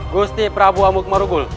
gusti prabu amuk marugul